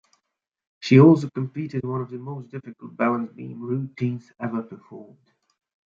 She also competed one of the most difficult balance beam routines ever performed.